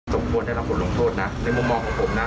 สมควรได้รับบทลงโทษนะในมุมมองของผมนะ